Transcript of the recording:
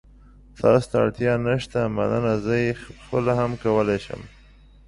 تاسو ته اړتیا نشته، مننه. زه یې خپله هم کولای شم.